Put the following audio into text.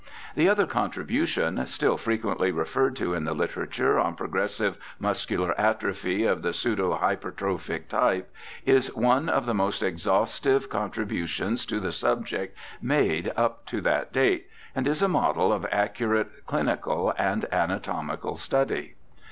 The other contribution, still frequently referred to in the literature, on Progressive Muscular Atrophy of the Pseudo hypertrophic Type, is one of the most exhaustive contributions to the subject made up to that date, and is a model of accurate clinical and anatomical study.